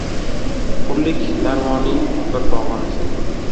Hurlik narvonin har pog‘onasi –